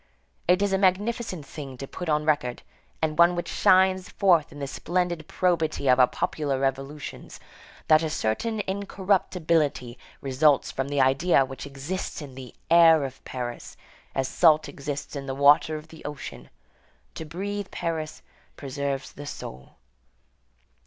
It is a magnificent thing to put on record, and one which shines forth in the splendid probity of our popular revolutions, that a certain incorruptibility results from the idea which exists in the air of Paris, as salt exists in the water of the ocean. To breathe Paris preserves the soul.